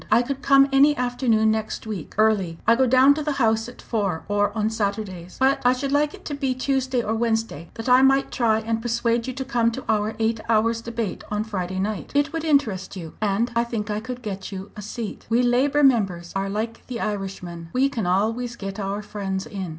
I could come any afternoon next week, early I go down to the House at four or on Saturdays. But I should like it to be Tuesday or Wednesday, that I might try and persuade you to come to our Eight Hours debate on Friday night. It would interest you, and I think I could get you a seat. We Labour members are like the Irishmen we can always get our friends in.